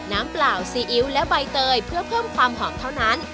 เปล่าซีอิ๊วและใบเตยเพื่อเพิ่มความหอมเท่านั้น